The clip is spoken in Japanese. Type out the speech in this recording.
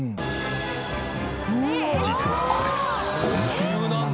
実はこれ。